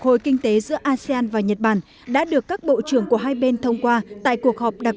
hồi kinh tế giữa asean và nhật bản đã được các bộ trưởng của hai bên thông qua tại cuộc họp đặc